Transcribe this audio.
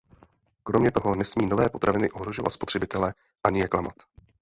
Kromě toho nesmí nové potraviny ohrožovat spotřebitele ani je klamat.